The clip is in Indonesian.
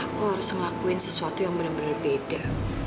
aku harus ngelakuin sesuatu yang bener bener beda